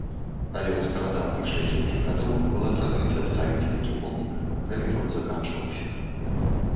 Але ў старадаўніх шляхецкіх радоў была традыцыя ставіць такі помнік, калі род заканчваўся.